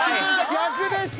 逆でした。